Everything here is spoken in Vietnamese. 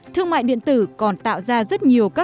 thương mại điện tử còn tạo ra rất nhiều các cơ sở